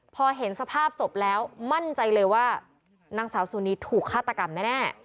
พอเห็นสภาพศพแล้วมั่นใจเลยว่านางสาวซูนีถูกฆาตกรรมแน่